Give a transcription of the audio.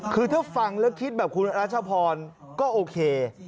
คือถ้าฟังแล้วคิดแบบคุณรัชพรก็โอเค